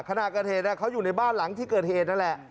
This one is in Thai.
ขณะเกิดเหตุเขาอยู่ในบ้านหลังที่เกิดเหตุนั่นแหละ